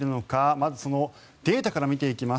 まず、そのデータから見ていきます。